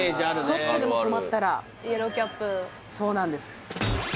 ちょっとでも止まったらイエローキャブそうなんです